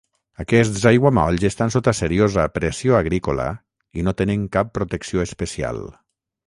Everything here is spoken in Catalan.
Aquests aiguamolls estan sota seriosa pressió agrícola i no tenen cap protecció especial.